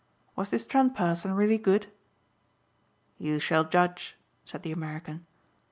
Was this Trent person really good?" "You shall judge," said the American.